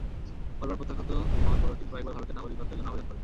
বারবার প্রত্যাখ্যাত হওয়ার পরও তিনি কয়েকবার ভারতের নাগরিকত্বের জন্য আবেদন করেন।